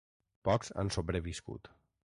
Pocs han sobreviscut.